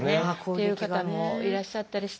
っていう方もいらっしゃったりして。